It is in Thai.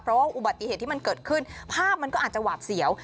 เพราะว่าอุบัติเหตุที่มันเกิดขึ้นภาพมันก็อาจจะหวาดเสียว